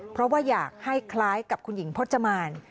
เพราะว่าอยากให้คล้ายกับคุณหญิงพจมาน